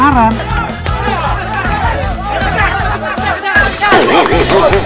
jangan jangan jangan